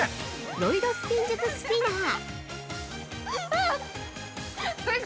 ロイド・スピン術・スピナー。